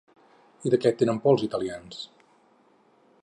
I de què tenen por els italians?